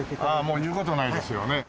もう言う事ないですよね。